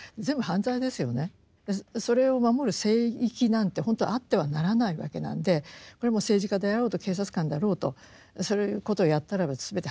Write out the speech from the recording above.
それを守る聖域なんて本当はあってはならないわけなんでこれもう政治家であろうと警察官だろうとそういうことをやったらば全て犯罪です。